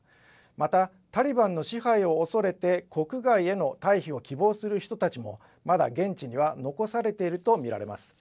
また、タリバンの支配を恐れて国外への退避を希望する人たちも、まだ現地には残されていると見られます。